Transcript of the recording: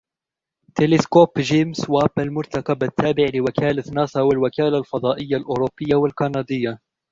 تلسكوب جيمس واب المرتقب التابع لوكالة ناسا و الوكالة الفضائية الأوربية والكندية